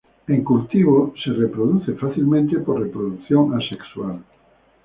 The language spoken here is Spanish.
En cultivo se reproduce fácilmente por reproducción asexual.